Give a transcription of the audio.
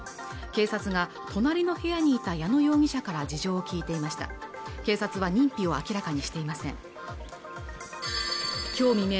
警察が隣の部屋にいた矢野容疑者から事情を聞いていました警察は認否を明らかにしていません今日未明